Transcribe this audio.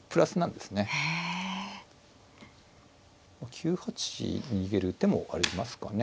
９八に逃げる手もありますかね。